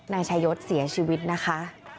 นายชายศเสียชีวิตนะคะ